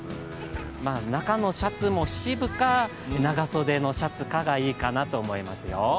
中のシャツも七分か、長袖のシャツかがいいと思いますよ。